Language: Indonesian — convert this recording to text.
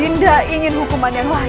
tidak ingin hukuman yang lain